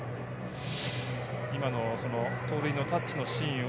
盗塁のタッチのシーンを。